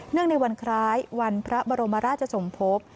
ในวันคล้ายวันพระบรมราชสมภพ